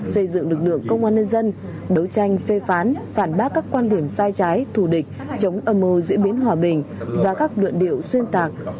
xây dựng lực lượng công an nhân dân đấu tranh phê phán phản bác các quan điểm sai trái thù địch chống âm mưu diễn biến hòa bình và các luận điệu xuyên tạc